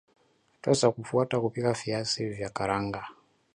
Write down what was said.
Hatua za kufuata kupika viazi vya karanga